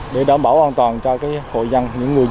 để đảm bảo an toàn cho hộ dân